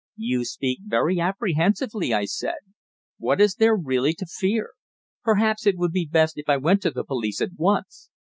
"You speak very apprehensively," I said. "What is there really to fear? Perhaps it would be best if I went to the police at once.